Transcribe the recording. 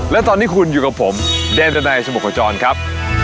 และตอนนี้คุณอยู่กับผมเดนดันัยสมุขจรครับ